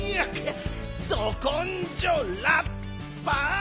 どこんじょうラッパー！